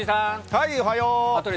はい、おはよー。